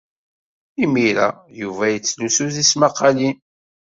Imir-a, Yuba yettlusu tismaqqalin.